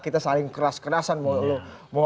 kita saling keras kerasan mau